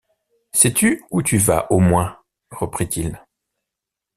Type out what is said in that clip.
Sais-tu où tu vas au moins? reprit-il.